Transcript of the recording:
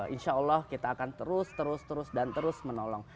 insya allah kita akan terus terus terus dan terus menolong